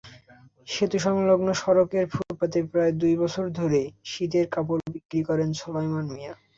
সেতু-সংলগ্ন সড়কের ফুটপাতে প্রায় দুই বছর ধরে শীতের কাপড় বিক্রি করেন সোলায়মান মিয়া।